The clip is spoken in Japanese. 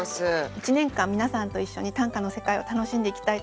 １年間皆さんと一緒に短歌の世界を楽しんでいきたいと思います。